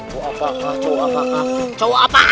cowok apakah cowok apakah